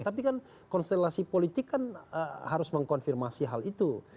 tapi kan konstelasi politik kan harus mengkonfirmasi hal itu